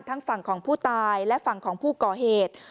ทั้งฝั่งของผู้ตายและฝั่งของผู้ก่อเหตุ